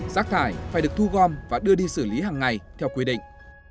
rác thải phải được thu gom và đưa đi xử lý hàng ngày theo quy định